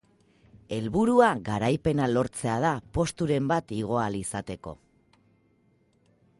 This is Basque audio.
Helburua garaipena lortzea da posturen bat igo ahal izateko.